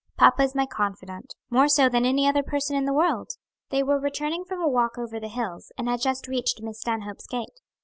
Papa is my confidant; more so than any other person in the world." They were returning from a walk over the hills, and had just reached Miss Stanhope's gate.